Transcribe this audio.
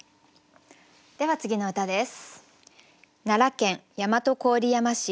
では次の歌です。